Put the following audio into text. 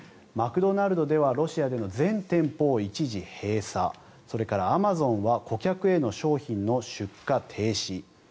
マクドナルドではロシアでの全店舗を一時閉鎖それから、アマゾンは顧客への商品の出荷停止